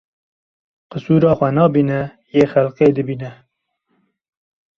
Qisura xwe nabîne yê xelkê dibîne